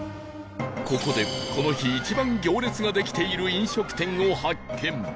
ここでこの日一番行列ができている飲食店を発見！